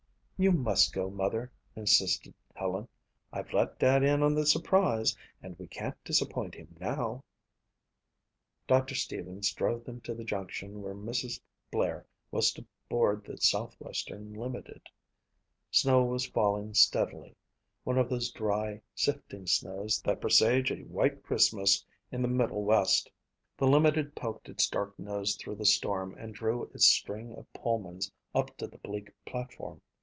"You must go, Mother," insisted Helen. "I've let Dad in on the surprise and we can't disappoint him now." Doctor Stevens drove them to the junction where Mrs. Blair was to board the Southwestern limited. Snow was falling steadily, one of those dry, sifting snows that presage a white Christmas in the middle west. The limited poked its dark nose through the storm and drew its string of Pullmans up to the bleak platform.